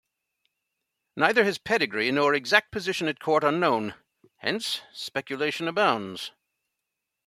Neither his pedigree nor exact position at court are known, hence speculation abounds.